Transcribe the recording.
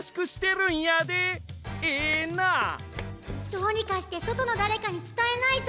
どうにかしてそとのだれかにつたえないと！